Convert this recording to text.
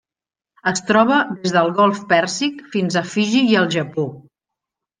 Es troba des del Golf Pèrsic fins a Fiji i el Japó.